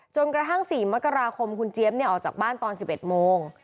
จนกระทั่ง๔มกราคมคุณเจี๊ยบออกจากบ้านตอน๑๑โมง